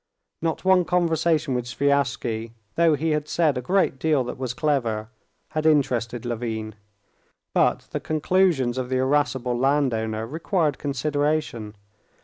Not one conversation with Sviazhsky, though he had said a great deal that was clever, had interested Levin; but the conclusions of the irascible landowner required consideration.